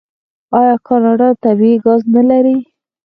آیا کاناډا طبیعي ګاز نلري؟